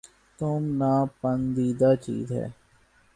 تم ناپندیدہ چیز ہے